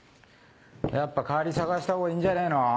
やっぱ代わり探した方がいいんじゃねえの？